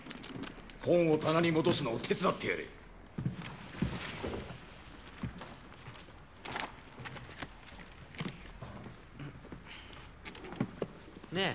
本を棚に戻すのを手伝ってやれんっねえ